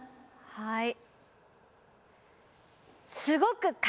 はい。